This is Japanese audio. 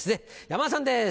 山田さんです。